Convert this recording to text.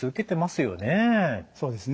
そうですね。